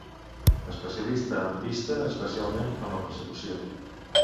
Especialista en pista, especialment en la persecució.